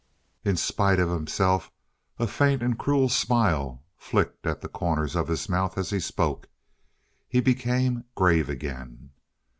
In spite of himself a faint and cruel smile flickered at the corners of his mouth as he spoke. He became grave again.